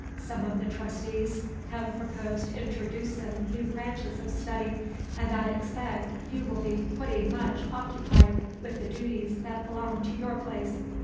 Some of the Trustees have proposed interdoosin' new branches of study, and I expect you will be pooty much occoopied with the dooties that belong to your place.